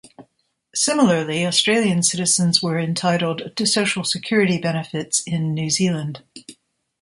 Similarly, Australian citizens were entitled to social security benefits in New Zealand.